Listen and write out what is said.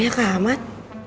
oya kak ahmad